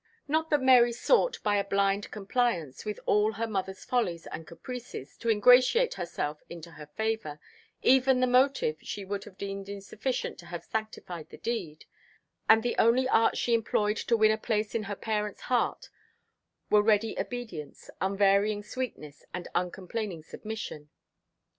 Not that Mary sought, by a blind compliance with all her mother's follies and caprices, to ingratiate herself into her favour even the motive she would have deemed insufficient to have sanctified the deed; and the only arts she employed to win a place in her parent's heart were ready obedience, unvarying sweetness, and uncomplaining submission.